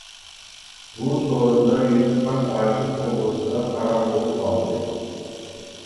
بۇ سورۇندا يۈسۈپ خاس ھاجىپ توغرىسىدا پاراڭ بولۇپ قالدى.